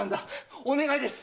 お願いです！